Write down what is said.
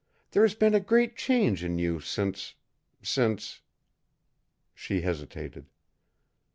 There has been a great change in you since since " She hesitated.